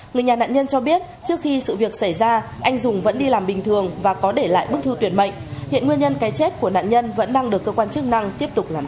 người nhà nạn nhân cho biết trước khi sự việc xảy ra anh dùng vẫn đi làm bình thường và có để lại bức thư tuyển mệnh hiện nguyên nhân cái chết của nạn nhân vẫn đang được cơ quan chức năng tiếp tục làm rõ